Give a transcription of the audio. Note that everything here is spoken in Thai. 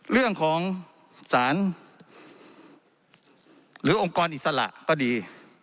เรื่องของสารหรือองค์กรอิสระก็ดี